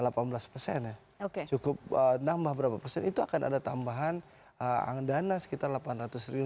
jadi kalau kita cukup nambah berapa persen itu akan ada tambahan ang dana sekitar delapan ratus ribu